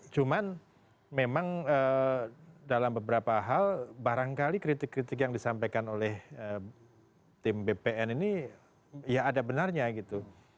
cuman memang dalam beberapa hal barangkali kritik kritik yang disampaikan oleh tim bpn ini ya ada benarnya gitu